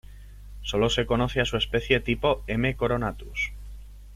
Solo se conoce a su especie tipo, "M. coronatus".